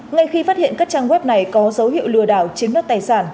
ngay khi phát hiện các trang web này có dấu hiệu lừa đảo chiếm đất tài sản